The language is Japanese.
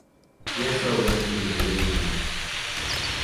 やつらを出し抜くのは容易じゃない